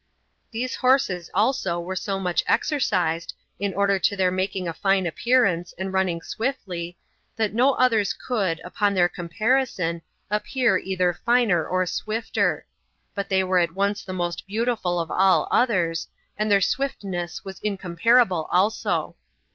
These horses also were so much exercised, in order to their making a fine appearance, and running swiftly, that no others could, upon the comparison, appear either finer or swifter; but they were at once the most beautiful of all others, and their swiftness was incomparable also.